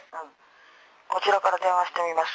こちらから電話してみます。